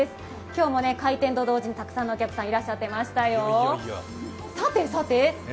今日も開店と同時にたくさんのお客さんいらっしゃってましたよ。